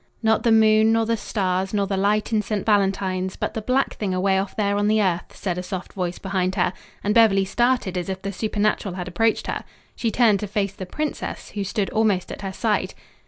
"Not the moon, nor the stars, nor the light in St. Valentine's, but the black thing away off there on the earth," said a soft voice behind her, and Beverly started as if the supernatural had approached her. She turned to face the princess, who stood almost at her side.